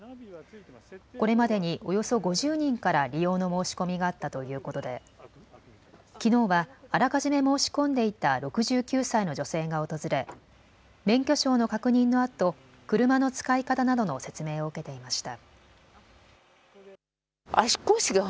これまでにおよそ５０人から利用の申し込みがあったということできのうはあらかじめ申し込んでいた６９歳の女性が訪れ免許証の確認のあと車の使い方などの説明を受けていました。